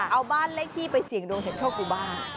เอาบ้านเลขที่ไปเสี่ยงดวงเสียงโชคกูบ้าง